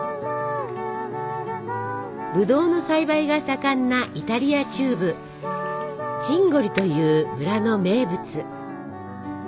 ブドウの栽培が盛んなイタリア中部チンゴリという村の名物。